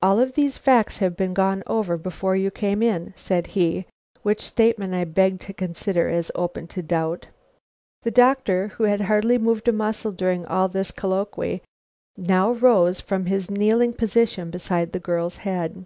"All these facts have been gone over before you came in," said he, which statement I beg to consider as open to doubt. The doctor, who had hardly moved a muscle during all this colloquy, now rose from his kneeling position beside the girl's head.